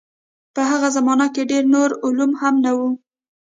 په هغه زمانه کې ډېر نور علوم هم نه وو.